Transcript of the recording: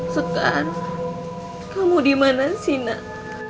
sekarang kamu dimana sih nak